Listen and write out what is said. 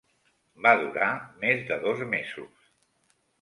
Va durar més de dos mesos